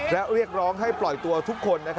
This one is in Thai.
และเรียกร้องให้ปล่อยตัวทุกคน